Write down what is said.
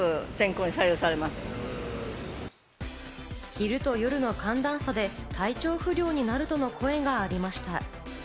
昼と夜の寒暖差で体調不良になるとの声がありました。